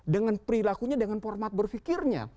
dengan perilakunya dengan format berfikirnya